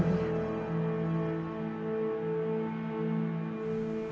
masuk ke dalam dulu ya